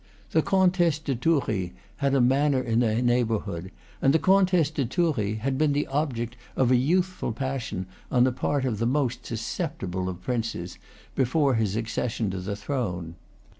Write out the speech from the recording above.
The Comtesse de Thoury had a manor in the neighborhood, and the Comtesse de Thoury had been the object of a youthful passion on the part of the most susceptible of princes before his accession to the throne.